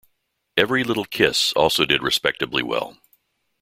"Every Little Kiss" also did respectably well.